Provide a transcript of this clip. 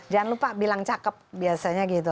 jangan lupa bilang cakep biasanya gitu